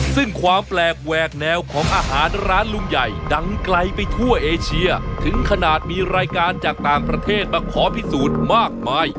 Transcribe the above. ซึ่งความแปลกแหวกแนวของอาหารร้านลุงใหญ่ดังไกลไปทั่วเอเชียถึงขนาดมีรายการจากต่างประเทศมาขอพิสูจน์มากมาย